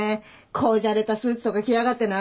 こじゃれたスーツとか着やがってな。